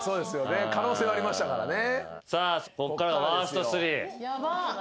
可能性はありましたからね。